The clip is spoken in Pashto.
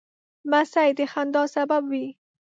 لمسی د خندا سبب وي.